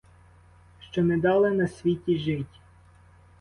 Що не дали на світі жить.